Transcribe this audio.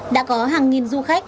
đã có hàng nghìn du khách